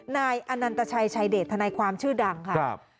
นายอนันตชัยชายเดชทนายความชื่อดังค่ะ